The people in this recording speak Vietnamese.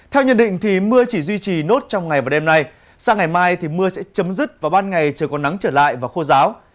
theo nhận định thì mưa chỉ duy trì nốt trong ngày và đêm nay sang ngày mai thì mưa sẽ chấm dứt vào ban ngày trời còn nắng trở lại và khô giáo